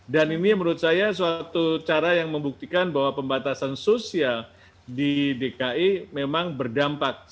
dan ini menurut saya suatu cara yang membuktikan bahwa pembatasan sosial di dki memang berdampak